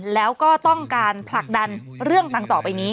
แล้วก็ต้องการผลักดันเรื่องต่างต่อไปนี้